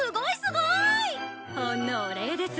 ほんのお礼です。